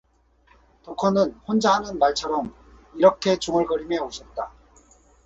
덕호는 혼자 하는 말처럼 이렇게 중얼거리며 웃었다.